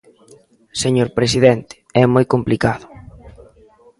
Señor presidente, é moi complicado.